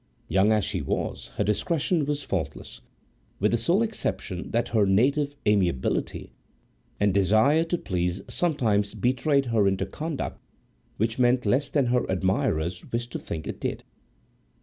Young as she was, her discretion was faultless, with the sole exception that her native amiability and desire to please sometimes betrayed her into conduct which meant less than her admirers wished to think it did.